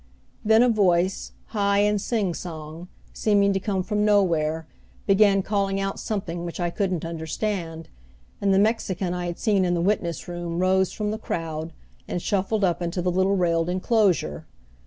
Then a voice, high and sing song, seeming to come from nowhere, began calling out something which I couldn't understand, and the Mexican I had seen in the witness room rose from the crowd and shuffled up into the little railed inclosure.